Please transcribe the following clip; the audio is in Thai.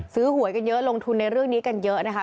หวยกันเยอะลงทุนในเรื่องนี้กันเยอะนะคะ